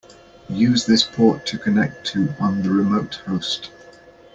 Use this port to connect to on the remote host.